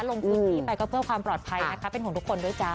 ลงพื้นที่ไปก็เพื่อความปลอดภัยนะคะเป็นห่วงทุกคนด้วยจ้า